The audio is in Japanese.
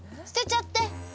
捨てちゃって。